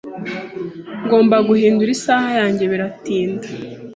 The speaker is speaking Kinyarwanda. Ngomba guhindura isaha yanjye. Biratinda.